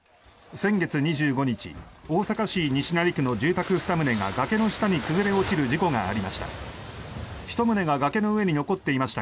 先月２５日大阪市西成区の住宅２棟が崖の下に崩れ落ちる事故がありました。